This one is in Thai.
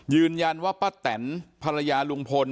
ยืนยันว่าป้าแตนภรรยาลุงพล